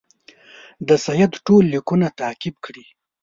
د سید ټول لیکونه تعقیب کړي.